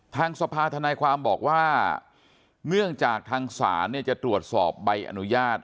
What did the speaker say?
ทางสภาธนายความบอกว่าเนื่องจากทางศาลจะตรวจสอบใบอนุญาต